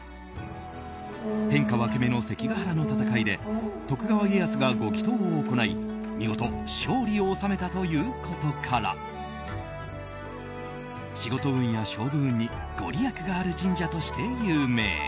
天下分け目の関ケ原の戦いで徳川家康がご祈祷を行い見事勝利を収めたということから仕事運や勝負運にご利益がある神社として有名。